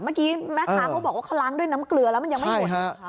เมื่อกี้แม่ค้าเขาบอกว่าเขาล้างด้วยน้ำเกลือแล้วมันยังไม่หมด